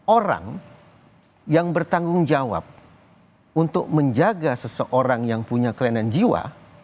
orang yang bertanggung jawab untuk menjaga seseorang yang punya kelainan jiwa